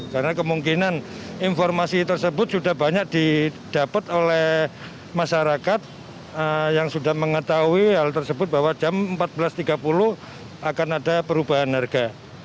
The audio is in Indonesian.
karena kemungkinan informasi tersebut sudah banyak didapat oleh masyarakat yang sudah mengetahui hal tersebut bahwa jam empat belas tiga puluh akan ada perubahan harga